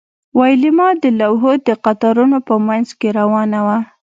ویلما د لوحو د قطارونو په مینځ کې روانه وه